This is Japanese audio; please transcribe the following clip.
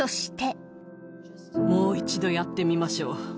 もう一度やってみましょう。